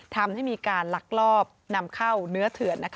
ทำให้มีการลักลอบนำเข้าเนื้อเถื่อน